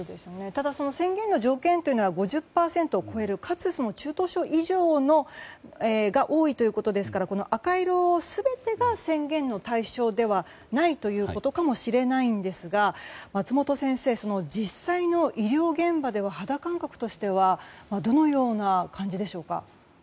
ただ宣言の条件というのは５０％を超えるかつ中等症以上が多いということですからこの赤色、全てが宣言の対象ではないということかもしれませんが松本先生、実際の医療現場では肌感覚としてはどのような感じでしょうか。